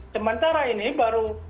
sementara ini baru